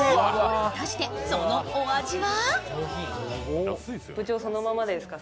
果たして、そのお味は？